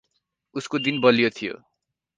उसको दिन बलियो थियो ।